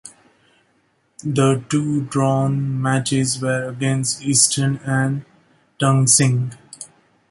The two drawn matches were against Eastern and Tung Sing.